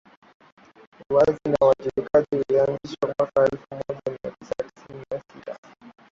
uwazi na uwajibikaji ulianzishwa mwaka elfu moja mia tisa tisini na sita